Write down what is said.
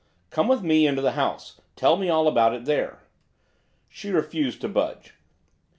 'Come with me into the house, tell me all about it there.' She refused to budge.